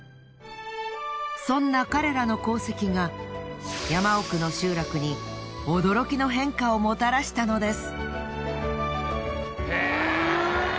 そんな彼らの功績が山奥の集落に驚きの変化をもたらしたのです。